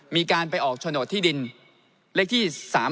มีการไปออกโฉนดที่ดินเลขที่๓๔